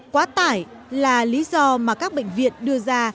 quá tải là lý do mà các bệnh viện đưa ra